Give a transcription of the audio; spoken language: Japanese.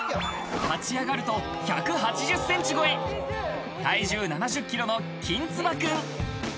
立ち上がると１８０センチ超え、体重７０キロのきんつば君。